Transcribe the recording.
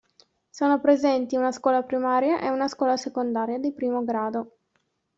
Sono presenti una scuola primaria e una scuola secondaria di primo grado.